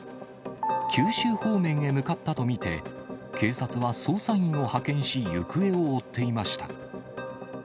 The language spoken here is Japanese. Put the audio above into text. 九州方面へ向かったと見て、警察は捜査員を派遣し、行方を追っていました。